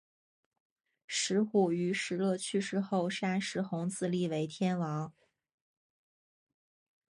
石虎于石勒去世后杀石弘自立为天王。